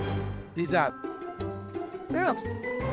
リザード。